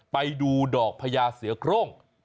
ไปดูดอกพญาเสือโครง